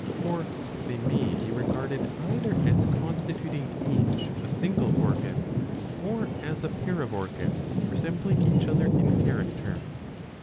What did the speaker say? For they may be regarded either as constituting each a single organ, or as a pair of organs resembling each other in character.